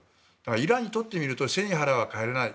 イランにとってみると背に腹は代えられない